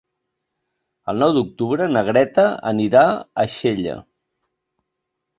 El nou d'octubre na Greta anirà a Xella.